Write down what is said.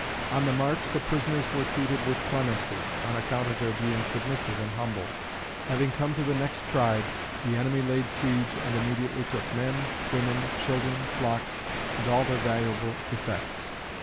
On the march the prisoners were treated with clemency, on account of their being submissive and humble. Having come to the next tribe, the enemy laid siege and immediately took men, women, children, flocks, and all their valuable effects.